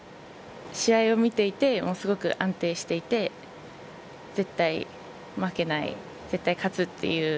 試合を見ていてすごく安定していて絶対負けない、絶対勝つっていう。